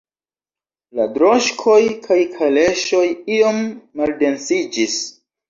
La droŝkoj kaj kaleŝoj iom maldensiĝis.